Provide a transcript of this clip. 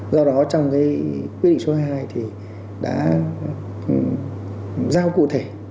do đó trong cái quyết định số hai mươi hai thì đã giao cụ thể